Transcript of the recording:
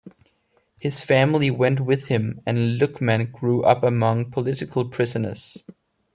His family went with him, and Lukman grew up among political prisoners.